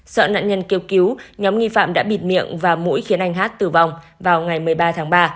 sợ nạn nhân kêu cứu nhóm nghi phạm đã bịt miệng và mũi khiến anh hát tử vong vào ngày một mươi ba tháng ba